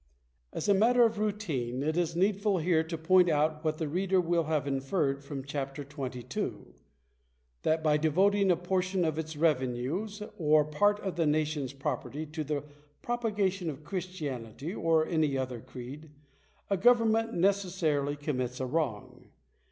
§ 1. As a matter of routine, it is needful here to point out what the reader will have inferred from Chap. XXII., that, by devoting a "~| portion of its revenues or a part of the nation's property to the \ propagation of Christianity or any other creed, a government \ necessarily commits a wrong.